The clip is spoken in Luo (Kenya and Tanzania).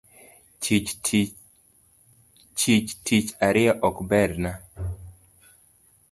Chich tich ariyo ok berna